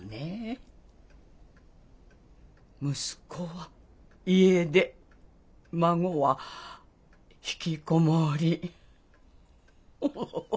息子は家出孫はひきこもり。